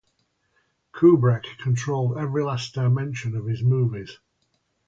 Kubrick controlled every last dimension of his movies.